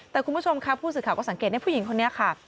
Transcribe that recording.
แต่คุณผู้ชมค่ะผู้สื่อข่าวก็สังเกตในผู้หญิงคนนี้ค่ะ